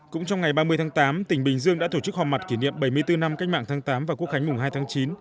cũng trong ngày ba mươi tháng tám tỉnh bình dương đã tổ chức họp mặt kỷ niệm bảy mươi bốn năm cách mạng tháng tám và quốc khánh mùng hai tháng chín